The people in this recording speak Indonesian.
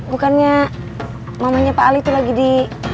bukannya mamanya pak ali itu lagi di